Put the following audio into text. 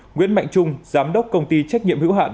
nguyễn mạnh trung giám đốc công ty trách nhiệm hữu hạn